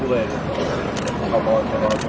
แล้วก็จะกรรมรอดทั้งหมดแล้วก็จะกรรมรอดทั้งหมด